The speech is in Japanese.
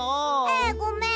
えごめん。